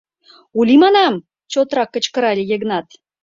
— Ули, манам! — чотрак кычкырале Йыгнат.